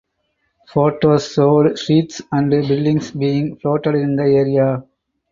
Photos showed streets and buildings being flooded in the area.